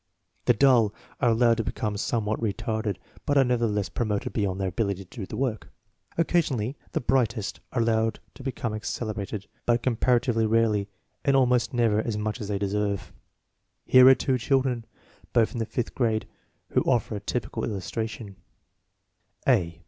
The dull are allowed to become somewhat re tarded, but are nevertheless promoted beyond their ability to do the work. Occasionally the brightest are allowed to become accelerated, but comparatively rarely, and almost never as much as they deserve. 28 INTELLIGENCE OF SCHOOL CHILDREN Here arc two children, both in the fifth grade, who offer a typical illustration: A.